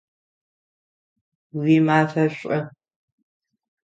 Уимафэ шӏу!